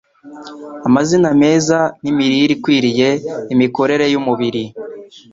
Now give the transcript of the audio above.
amazi meza, n’imirire ikwiriye, imikorere y’umubiri